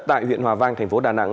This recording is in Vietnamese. tại huyện hòa vang thành phố đà nẵng